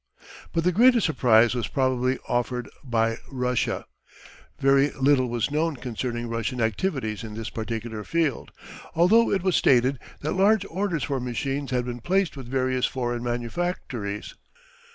But the greatest surprise was probably offered by Russia. Very little was known concerning Russian activities in this particular field, although it was stated that large orders for machines had been placed with various foreign manufactories.